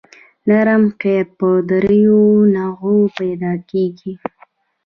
نرم قیر په دریو نوعو پیدا کیږي